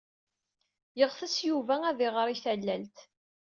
Yeɣtes Yuba ad iɣer i tallalt.